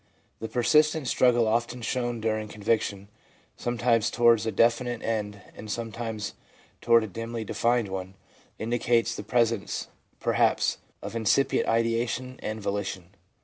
The persistent struggle often shown during con viction, sometimes toward a definite end and sometimes toward a dimly defined one, indicates the presence, per haps, of incipient ideation and volition.